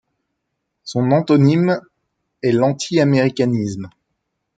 Son antonyme est l'antiaméricanisme.